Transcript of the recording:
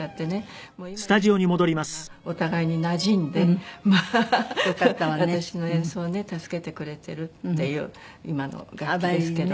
今ではすっかりお互いになじんで私の演奏をね助けてくれてるっていう今の楽器ですけど。